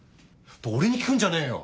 俺に聞くんじゃねえよ。